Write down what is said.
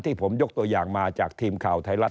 ผมยกตัวอย่างมาจากทีมข่าวไทยรัฐ